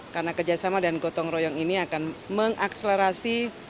karena kerjasama dan gotong royong ini akan mengakselerasi